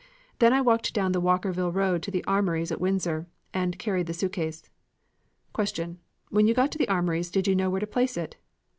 Then I walked down the Walkerville road to the Armories at Windsor, and carried the suitcase. Q. When you got to the Armories did you know where to place it?